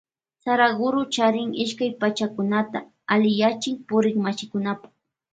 Saraguro charin ishkay pakchakunata alliyachin purikmashikunapa.